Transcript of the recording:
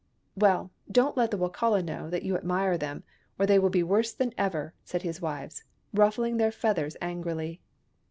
" Well, don't let the Wokala know that you admire them, or they will be worse than ever," said his wives, ruffling their feathers angrily.